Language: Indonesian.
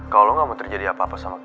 kalo lo gak mau terjadi apa apa sama kinar